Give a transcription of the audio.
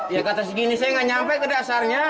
ya kata segini saya nggak nyampe ke dasarnya